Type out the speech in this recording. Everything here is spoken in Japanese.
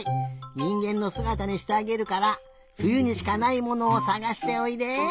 にんげんのすがたにしてあげるからふゆにしかないものをさがしておいで。